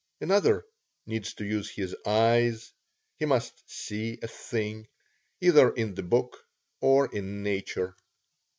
Another needs to use his eyes; he must see a thing, either in the book, or in nature.